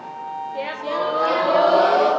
siap ya bu